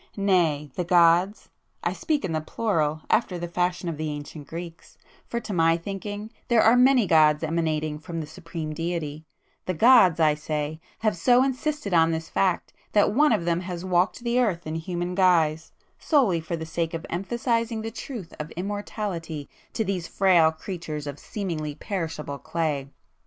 Nay, the gods—I speak in the plural, after the fashion of the ancient Greeks—for to my thinking there are many gods emanating from the Supreme Deity,—the gods, I say, have so insisted on this fact, that One of them has walked the earth in human guise, solely for the sake of emphasizing the truth of Immortality to these frail creatures of seemingly perishable clay!